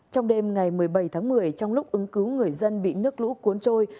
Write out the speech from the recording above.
trong đêm ngày một mươi bảy tháng một mươi trong lúc ứng cứu người dân bị nước lũ cuốn trôi